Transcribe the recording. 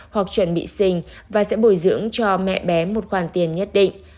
hoặc chuẩn bị sinh và sẽ bồi dưỡng cho mẹ bé một khoản tiền nhất định